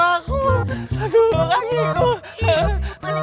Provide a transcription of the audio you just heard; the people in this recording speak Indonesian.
aduh capek banget